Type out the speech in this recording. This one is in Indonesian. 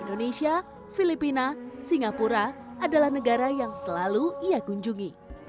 indonesia filipina singapura adalah negara yang selalu ia kunjungi